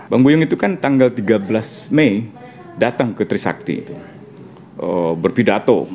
bang guyung itu kan tanggal tiga belas mei datang ke trisakti berpidato